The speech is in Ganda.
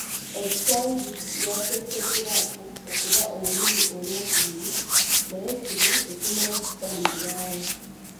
Oluswayiri lwateesebwako okuba olulimi olwokubiri naye kino tekinnaba kusalibwawo.